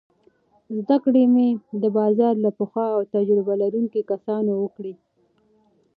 زده کړه مې د بازار له پخو او تجربه لرونکو کسانو وکړه.